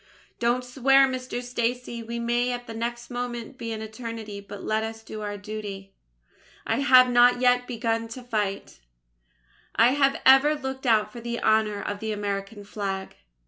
(During the fight with the Serapis) Don't swear, Mr. Stacy, we may at the next moment be in Eternity; but let us do our duty. I have not yet begun to fight! I have ever looked out for the honour of the American Flag.